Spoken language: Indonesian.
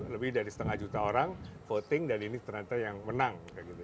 lebih dari setengah juta orang voting dan ini ternyata yang menang